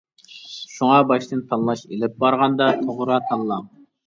شۇڭا باشتىن تاللاش ئىلىپ بارغاندا توغرا تاللاڭ.